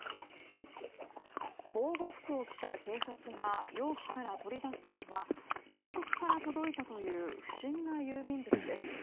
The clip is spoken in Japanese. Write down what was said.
防護服を着た警察が容器から取り出したのは外国から届いたという不審な郵便物です。